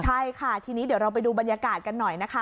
ใช่ค่ะทีนี้เดี๋ยวเราไปดูบรรยากาศกันหน่อยนะคะ